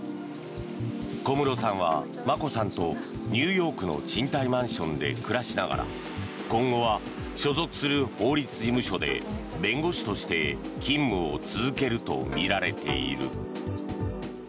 小室さんは眞子さんとニューヨークの賃貸マンションで暮らしながら今後は所属する法律事務所で弁護士として勤務を続けるとみられている。